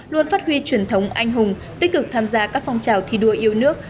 luôn phát huy truyền thống anh hùng tích cực tham gia các phong trào thi đua yêu nước